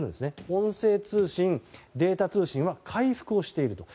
音声通話データ通信は回復をしていると。